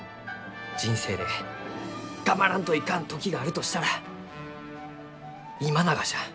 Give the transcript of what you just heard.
人生で頑張らんといかん時があるとしたら今ながじゃ。